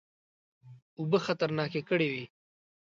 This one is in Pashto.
اوبه خطرناکه کړي وې.